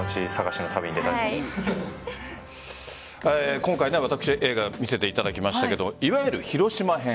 今回、私映画、見せていただきましたがいわゆる広島編。